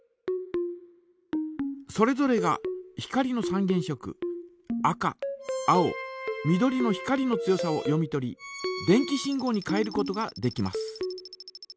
それぞれが光の三原色赤青緑の光の強さを読み取り電気信号に変えることができます。